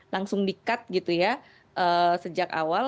langsung di cut gitu ya sejak awal